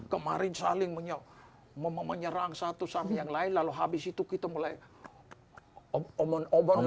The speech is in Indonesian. kemarin saling menyerang satu sama yang lain lalu habis itu kita mulai omong obor